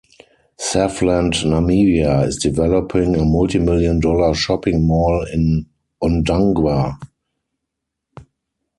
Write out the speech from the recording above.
Safland Namibia is developing a multimillion-dollar shopping mall in Ondangwa.